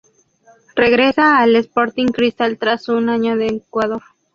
Regresa al Sporting Cristal tras un año en Ecuador.